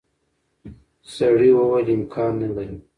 سړي وویل امکان نه لري.